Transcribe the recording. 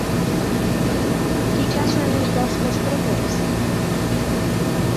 Qui caça en els boscos propers?